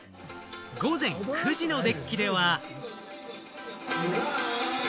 午前９時のデッキでは。